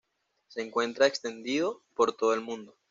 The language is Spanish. Se encuentra extendido por todo el mundo.